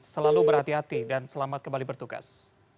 selalu berhati hati dan selamat kembali bertugas